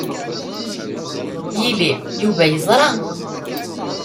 Yili, Yuba yeẓṛa.